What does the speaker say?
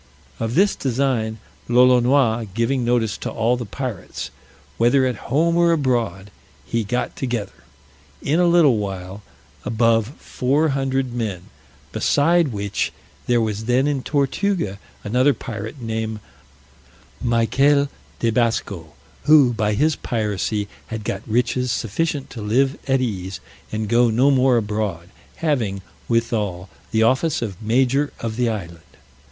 Of this design Lolonois giving notice to all the pirates, whether at home or abroad, he got together, in a little while, above four hundred men; beside which, there was then in Tortuga another pirate, named Michael de Basco, who, by his piracy, had got riches sufficient to live at ease, and go no more abroad; having, withal, the office of major of the island.